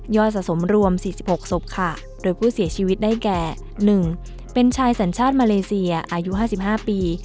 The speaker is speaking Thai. สะสมรวม๔๖ศพค่ะโดยผู้เสียชีวิตได้แก่๑เป็นชายสัญชาติมาเลเซียอายุ๕๕ปี